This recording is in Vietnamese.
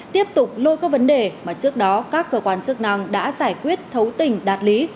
tiếp tục lôi các vấn đề mà trước đó các cơ quan chức năng đã giải quyết thấu tình đạt lý